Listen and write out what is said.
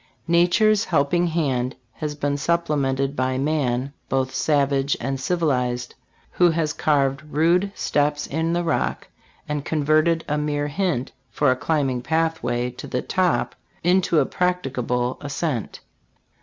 Nature's helping hand has been sup plemented by man, both savage and civilized, who has carved rude steps in the rock, and converted a mere hint for a climbing pathway to the top into a practicable ascent.